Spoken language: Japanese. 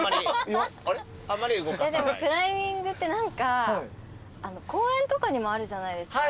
でもクライミングって何か公園とかにもあるじゃないですか。